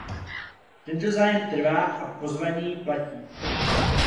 Tento zájem trvá a pozvání platí.